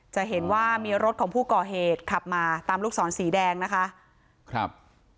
จะเห็นว่ามีรถของผู้ก่อเหตุขับมาตามลูกศรสีแดงนะคะครับ